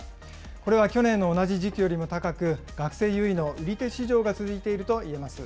これは去年の同じ時期よりも高く、学生優位の売手市場が続いているといえます。